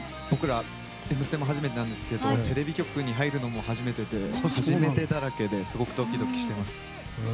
僕ら「Ｍステ」も初めてですがテレビ局に入るのも初めてで初めてだらけですごくドキドキしています。